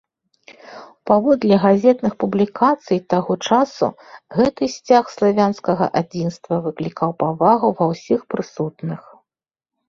Паводле газетных публікацый таго часу, гэты сцяг славянскага адзінства выклікаў павагу ва ўсіх прысутных.